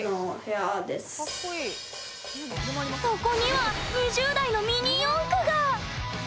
そこには、２０台のミニ四駆が。